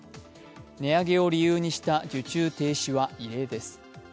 値上げを理由にした受注停止は異例です。